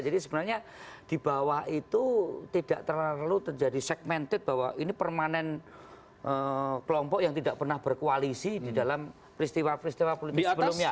jadi sebenarnya di bawah itu tidak terlalu terjadi segmented bahwa ini permanen kelompok yang tidak pernah berkoalisi di dalam peristiwa peristiwa politik sebelumnya